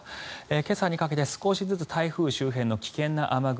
今朝にかけて少しずつ台風周辺の危険な雨雲